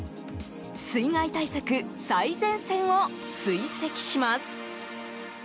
水害対策最前線を追跡します。